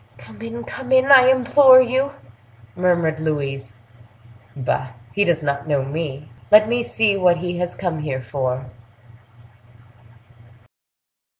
"Come in, come in, I implore you!" murmured Louise. "Bah! he does not know me. Let me see what he has come here for."